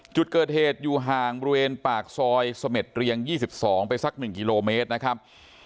จุดเกิดเหตุอยู่ห่างบริเวณปากซอยเสม็ดเรียง๒๒ไปสัก๑กิโลเมตรนะครับ